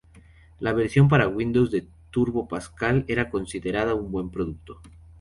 La versión para Windows de Turbo Pascal era considerada un buen producto.